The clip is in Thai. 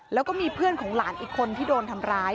แล้วก็มีเพื่อนของหลานอีกคนที่โดนทำร้าย